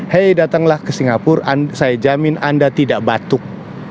hei datanglah ke singapura saya jamin anda tidak batuk